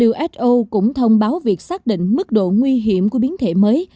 uso cũng thông báo việc xác định mức độ nguy hiểm của biến thể mới